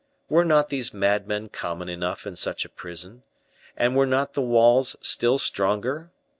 Were not these madmen common enough in such a prison? and were not the walls still stronger?